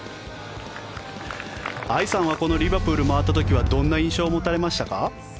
藍さんはこのリバプールを回った時はどんな印象を持たれましたか。